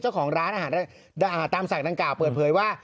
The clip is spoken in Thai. เจ้าของร้านอาหารตามสั่งกล่าเปิดเผยว่า